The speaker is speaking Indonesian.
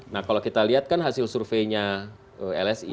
nah kalau kita lihat kan hasil surveinya lsi